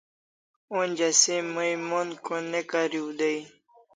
Onja se mai mon ko'n' ne kariu dai